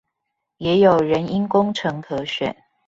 也有人因工程可選